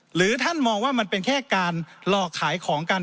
หรือท่านมองว่ามันเป็นแค่การหลอกขายของกัน